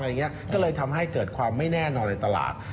ก็เลยทำให้เกิดความไม่แน่นอนในตลาด